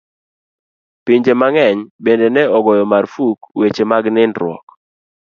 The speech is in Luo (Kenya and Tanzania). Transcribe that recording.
Pinje mang'eny bende ne ogoyo marfuk weche mag nindruok.